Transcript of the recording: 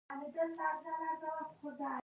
آیا دودیز هوټلونه ډیر ښکلي نه دي؟